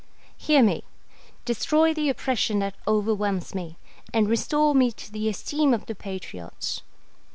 Hear me; destroy the oppression that overwhelms me, and restore me to the esteem of the patriots.